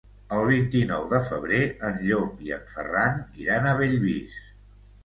El vint-i-nou de febrer en Llop i en Ferran iran a Bellvís.